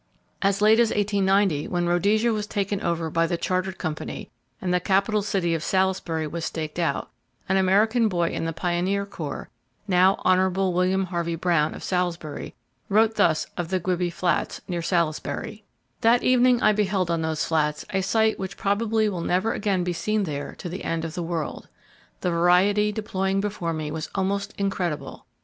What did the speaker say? As late as 1890, when Rhodesia was taken over by the Chartered Company, and the capital city of Salisbury was staked out, an American boy in the Pioneer Corps, now Honorable William Harvey Brown, of Salisbury, wrote thus of the Gwibi Flats, near Salisbury: "That evening I beheld on those flats a sight which probably will never again be seen there to the end of the world. The variety deploying before me was almost incredible!